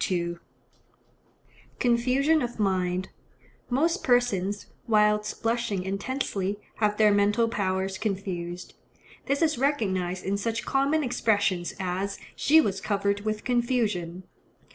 Confusion of mind.—Most persons, whilst blushing intensely, have their mental powers confused. This is recognized in such common expressions as "she was covered with confusion."